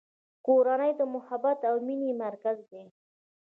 کورنۍ د محبت او مینې مرکز دی.